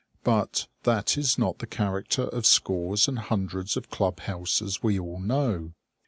But that this is not the character of scores and hundreds of club houses we all know.